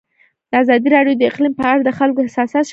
ازادي راډیو د اقلیم په اړه د خلکو احساسات شریک کړي.